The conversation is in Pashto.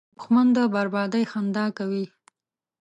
دښمن د بربادۍ خندا کوي